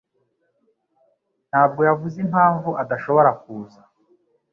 ntabwo yavuze impamvu adashobora kuza.